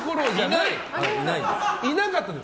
いなかったです。